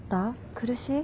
苦しい？